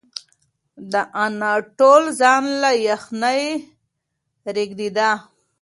د انا ټول ځان له یخنۍ رېږدېده.